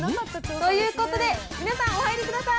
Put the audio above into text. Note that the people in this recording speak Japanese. ということで、皆さん、お入りください。